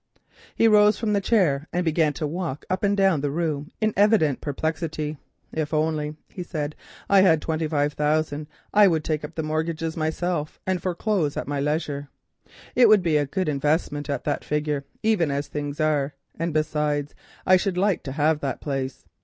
He rose from the chair and began to walk up and down the room in evident perplexity. "If only," he said, "I had twenty five thousand, I would take up the mortgages myself and foreclose at my leisure. It would be a good investment at that figure, even as things are, and besides, I should like to have that place.